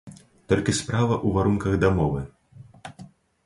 Толькі справа ў варунках дамовы.